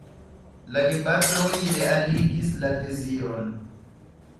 La gepatroj realigis la deziron.